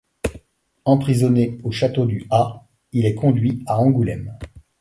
Emprisonné au château du Hâ, il est conduit à Angoulême.